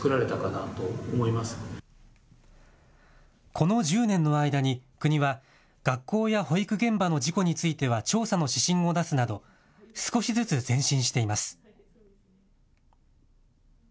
この１０年の間に国は学校や保育現場の事故については調査の指針を出すなど少しずつ前進しています。